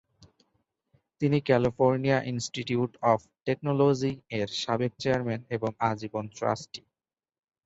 তিনি California Institute of Technology এর সাবেক চেয়ারম্যান এবং আজীবন ট্রাস্টি।